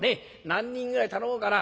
何人ぐらい頼もうかな。